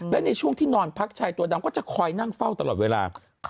และในช่วงที่นอนพักชายตัวดำก็จะคอยนั่งเฝ้าตลอดเวลา